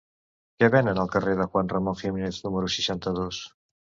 Què venen al carrer de Juan Ramón Jiménez número seixanta-dos?